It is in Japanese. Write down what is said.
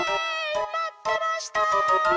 まってました。